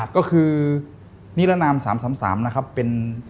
ก็คือนิรนาม๓๓นะครับเป็น